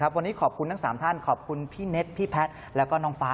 วันนี้ขอบคุณทั้ง๓ท่านขอบคุณพี่เน็ตพี่แพทย์แล้วก็น้องฟ้า